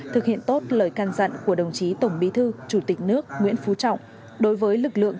thực hiện tốt lời can dặn của đồng chí tổng bí thư chủ tịch nước nguyễn phú trọng đối với lực lượng